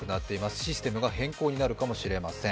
システムの改善があるかもしれません。